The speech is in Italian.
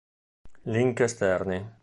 Link Esterni